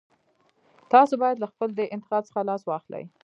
تاسو بايد له خپل دې انتخاب څخه لاس واخلئ.